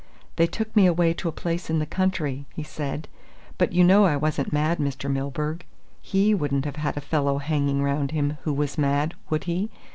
"They took me away to a place in the country," he said, "but you know I wasn't mad, Mr. Milburgh. He wouldn't have had a fellow hanging round him who was mad, would he?